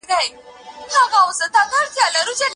ارمان کاکا وویل چې ونې هم د انسان په څېر احساسات لري.